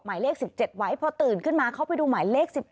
หมายเลข๑๗ไว้พอตื่นขึ้นมาเขาไปดูหมายเลข๑๗